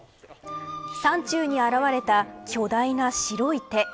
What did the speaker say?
山中に現れた巨大な白い手。